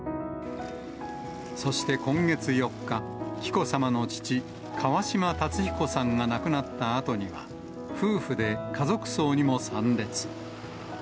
そして今月４日、紀子さまの父、川嶋辰彦さんが亡くなったあとには、夫婦で家族葬にも参列。